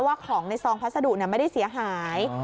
ว่าของในซองพัสดุไม่ได้เสียหาย